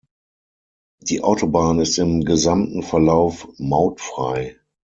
Die Autobahn ist im gesamten Verlauf mautfrei.